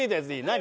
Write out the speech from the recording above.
何？